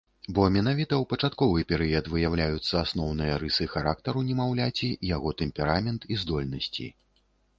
Бо менавіта ў пачатковы перыяд выяўляюцца асноўныя рысы характару немаўляці, яго тэмперамент і здольнасці.